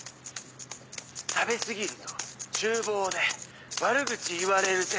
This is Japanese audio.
食べ過ぎると厨房で悪口言われるぜ。